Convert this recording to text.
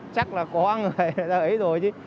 chắc là có người ấy rồi chứ